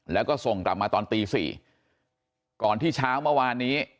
แล้วก็ส่งกลับมาตอนตี๔ก่อนที่เช้าเมื่อวานนี้